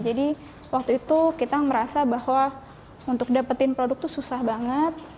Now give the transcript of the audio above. jadi waktu itu kita merasa bahwa untuk dapetin produk itu susah banget